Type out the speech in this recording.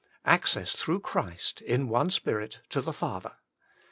Access through Christ, in one Spirit, to the Father.